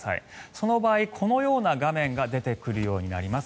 その場合、このような画面が出てくるようになります。